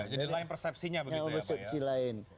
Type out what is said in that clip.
jadi lain persepsinya begitu ya pak ya